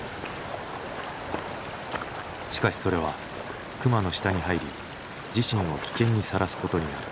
しかしそれは熊の下に入り自身を危険にさらすことになる。